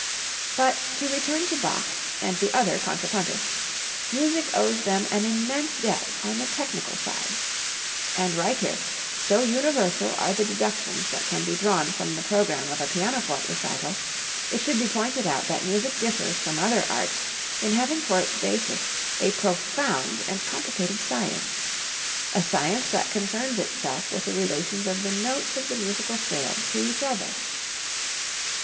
But, to return to Bach and the other contrapuntists, music owes them an immense debt on the technical side. And right here, so universal are the deductions that can be drawn from the program of a pianoforte recital, it should be pointed out that music differs from other arts in having for its basis a profound and complicated science, a science that concerns itself with the relations of the notes of the musical scale to each other.